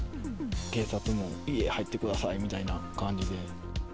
警察も、家入ってくださいみたいな感じで。